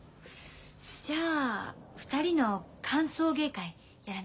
じゃあ２人の歓送迎会やらなきゃね。